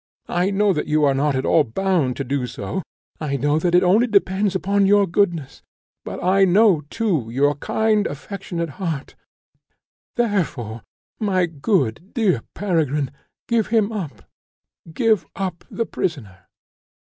I know that you are not at all bound to do so; I know that it only depends upon your goodness; but I know, too, your kind affectionate heart; therefore, my good, dear Peregrine, give him up give up the prisoner!"